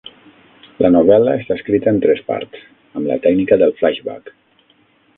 La novel·la està escrita en tres parts, amb la tècnica del flaixbac.